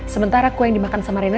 sementara kue yang dimakan sama rena